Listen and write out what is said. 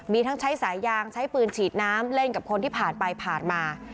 มีทั้งใช้สายยางใช้ปืนฉีดน้ำเล่นกับคนที่ผ่านไปผ่านมา